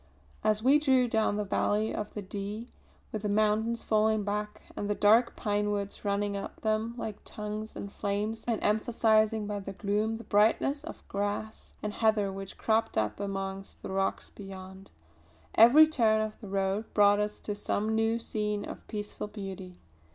As we drew down the valley of the Dee, with the mountains falling back and the dark pinewoods running up them like tongues of flame and emphasising by their gloom the brightness of grass and heather which cropped up amongst the rocks beyond, every turn of the road brought us to some new scene of peaceful beauty.